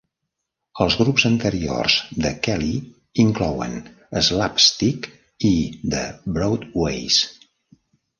Els grups anteriors de Kelly inclouen Slapstick i The Broadways.